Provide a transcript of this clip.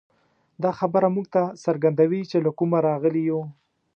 دا خبره موږ ته څرګندوي، چې له کومه راغلي یو.